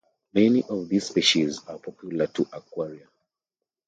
Many of the species are popular for aquaria.